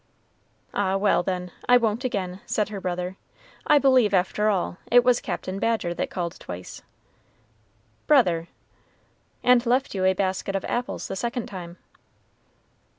"Ah, well, then, I won't again," said her brother. "I believe, after all, it was Captain Badger that called twice." "Brother!" "And left you a basket of apples the second time."